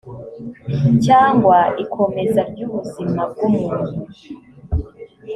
cyangwa ikomeza ry ubuzima bw umuntu